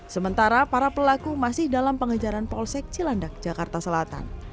sementara para pelaku masih dalam pengejaran polsek cilandak jakarta selatan